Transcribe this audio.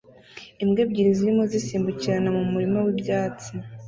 Imbwa ebyiri zirimo zisimbukirana mu murima wibyatsi